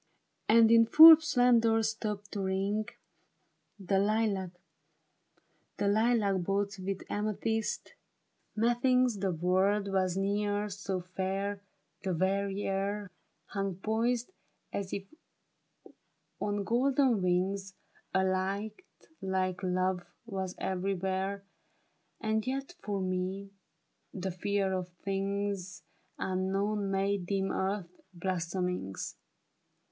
And in full splendor stopped to ring The lilac boughs with amethyst. Methinks the world was ne'er so fair ; The very air Hung poised as if on golden wings ; A light like love was everywhere, And yet for me, the fear of things Unknown, made dim earth's blossomings.